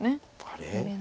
あれ？